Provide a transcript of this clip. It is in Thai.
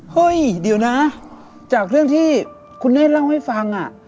เฮ้ยเดี๋ยวนะจากเรื่องที่คุณเนธเล่าให้ฟัง